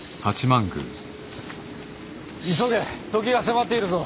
急げ時が迫っているぞ。